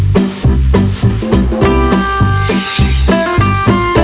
กินล้าง